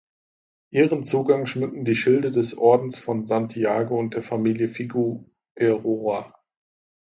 Ihren Zugang schmücken die Schilde des Ordens von Santiago und der Familie Figueroa.